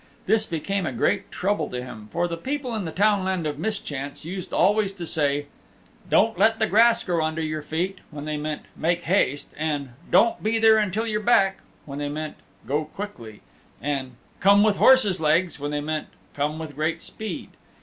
This became a great trouble to him, for the people in the Townland of Mischance used always to say, "Don't let the grass grow under your feet," when they meant "Make haste," and "Don't be there until you're back," when they meant "Go quickly" and "Come with horses' legs" when they meant "come with great speed."